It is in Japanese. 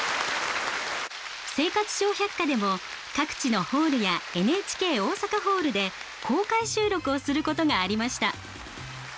「生活笑百科」でも各地のホールやＮＨＫ大阪ホールで公開収録をすることがありました。